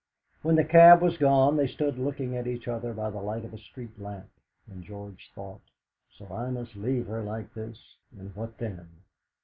When the cab was gone they stood looking at each other by the light of a street lamp. And George thought: '.o I must leave her like this, and what then?'